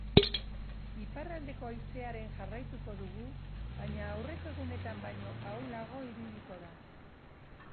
Iparraldeko haizearekin jarraituko dugu baina aurreko egunetan baino ahulago ibiliko da.